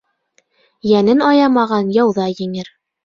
Йәнен аямаған яуҙа еңер